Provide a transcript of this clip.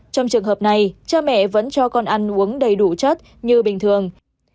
trong trường hợp này cha mẹ vẫn cho con ăn uống đầy đủ chất như bình thường